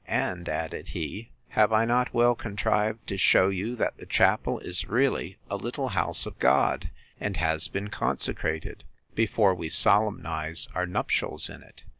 And, added he, have I not well contrived to shew you that the chapel is really a little house of God, and has been consecrated, before we solemnize our nuptials in it?